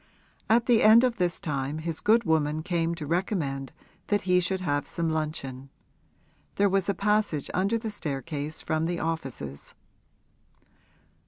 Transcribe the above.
At the end of this time his good woman came to recommend that he should have some luncheon; there was a passage under the staircase from the offices.